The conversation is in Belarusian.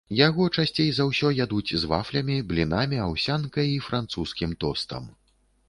Яго часцей за ўсё ядуць з вафлямі, блінамі, аўсянкай і французскім тостам.